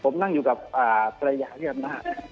ผมนั่งอยู่กับประหยาเรียบหน้า